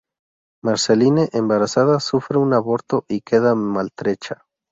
Marceline, embarazada, sufre un aborto y queda maltrecha.